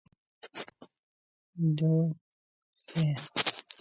زۆر بەکار و زۆر خاکی و بێدەعیەن